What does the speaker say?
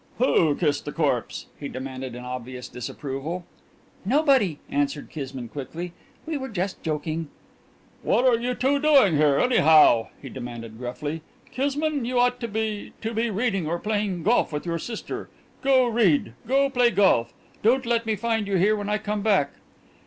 "Who kissed a corpse?" he demanded in obvious disapproval. "Nobody," answered Kismine quickly. "We were just joking." "What are you two doing here, anyhow?" he demanded gruffly. "Kismine, you ought to be to be reading or playing golf with your sister. Go read! Go play golf! Don't let me find you here when I come back!"